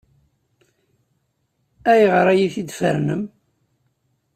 Ayɣer ay iyi-d-tfernem?